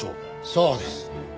そうです。